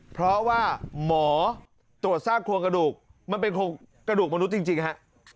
เพราะว่าหมอตรวจซากโครงกระดูกมันเป็นโครงกระดูกมนุษย์จริงฮะ